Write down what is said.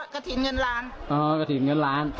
ก็จองกะถินแล้วกะถินเงินล้าน